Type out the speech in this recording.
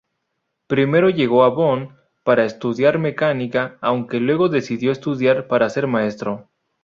Primero llegó a Bonn para estudiar mecánica, aunque luego decidió estudiar para ser maestro.